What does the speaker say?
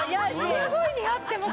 すごい似合ってます！